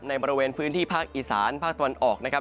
บริเวณพื้นที่ภาคอีสานภาคตะวันออกนะครับ